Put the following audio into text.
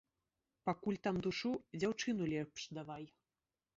Пакуль там душу, дзяўчыну лепш давай!